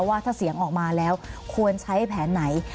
ว่าถ้าเสียงออกมาแล้วควรใช้แผนไหน